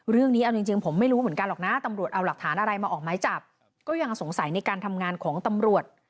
เรื่องนี้เอาจริงผมไม่รู้เหมือนกันหรอกนะตำรวจเอาหลักฐานอะไรมาออกไม้จับก็ยังสงสัยในการทำงานของตำรวจ